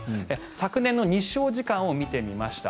昨年の日照時間を見てみました。